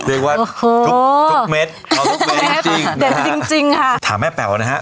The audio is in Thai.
คือว่าโอ้โหทุกเม็ดอ๋อทุกเม็ดแดดจริงจริงค่ะถามแม่แป๋วนะฮะ